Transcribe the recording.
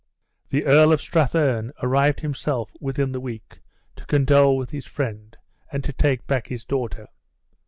The Earl of Strathern arrived himself within the week, to condole with his friend, and to take back his daughter.